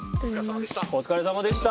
お疲れさまでした！